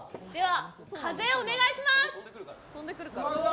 風、お願いします。